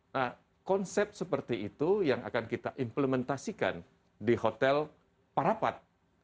nah konsep seperti itu yang akan kita implementasikan di hotel parapat